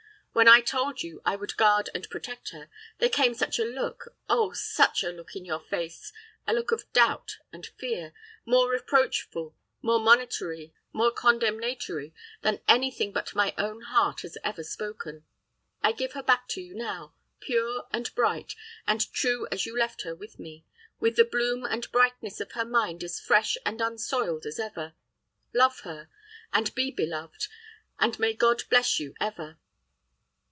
When I told you I would guard and protect her, there came such a look oh, such a look into your face a look of doubt and fear, more reproachful, more monitory, more condemnatory than any thing but my own heart has ever spoken. I give her back to you now, pure, and bright, and true as you left her with me, with the bloom and brightness of her mind as fresh and unsoiled as ever. Love her, and be beloved, and may God bless you ever."